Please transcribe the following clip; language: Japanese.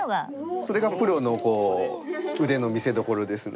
それがプロの腕の見せどころですね。